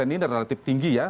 ini relatif tinggi ya